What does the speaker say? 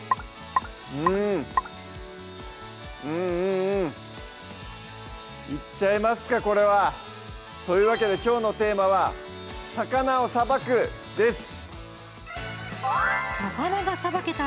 うんうんうんうんいっちゃいますかこれはというわけできょうのテーマは「魚をさばく」です